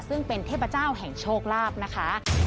ซึ่งเป็นเทพเจ้าแห่งโชคลาภนะคะ